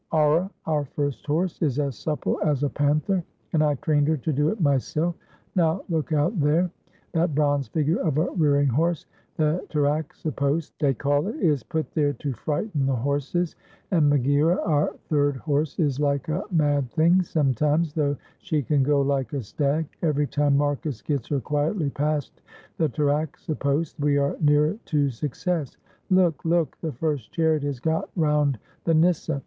Aura, our first horse, is as supple as a panther and I trained her to do it myself. — Now look out there !— that bronze figure of a rearing horse — the Taraxippos they call it — is put there to frighten the horses, and Megaera, our third horse, is like a mad thing sometimes, though she can go like a stag; every time Marcus gets her quietly past the Taraxippos we are nearer to suc cess. — Look, look, — the first chariot has got round the nyssa!